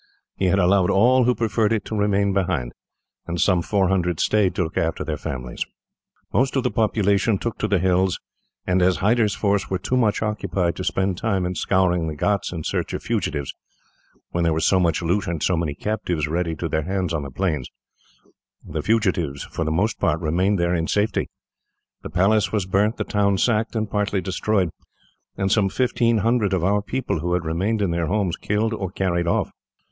He had allowed all who preferred it to remain behind; and some four hundred stayed to look after their families. Most of the population took to the hills and, as Hyder's forces were too much occupied to spend time in scouring the ghauts in search of fugitives, when there was so much loot and so many captives ready to their hands on the plains, the fugitives for the most part remained there in safety. The palace was burnt, the town sacked and partly destroyed, and some fifteen hundred of our people, who had remained in their homes, killed or carried off.